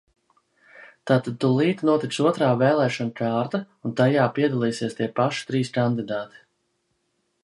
Tātad tūlīt notiks otrā vēlēšanu kārta, un tajā piedalīsies tie paši trīs kandidāti.